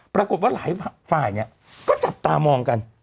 ปรากฏว่าหลายฝ่ายเนี่ยก็จับตามองกัน